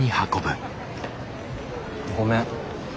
ごめん。